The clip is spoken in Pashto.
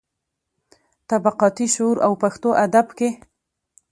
طبقاتي شعور او پښتو ادب کې.